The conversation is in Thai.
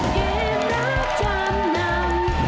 เกมรับทางน้ำ